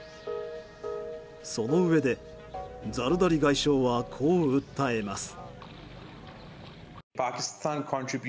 そのうえで、ザルダリ外相はこう訴えます。